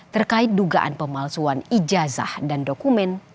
terkait dugaan pemalsuan ijazah dan dokumen